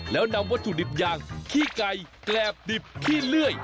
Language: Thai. แล้วนำวัตถุดิบอย่างขี้ไก่แกรบดิบขี้เลื่อย